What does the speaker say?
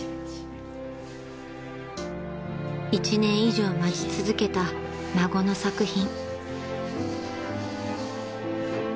［１年以上待ち続けた孫の作品］